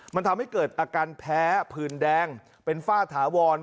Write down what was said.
มันทำให้เกิดอาการแพ้ผื่นแดงเป็นฝ้าถาวร